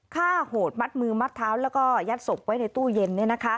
โหดมัดมือมัดเท้าแล้วก็ยัดศพไว้ในตู้เย็น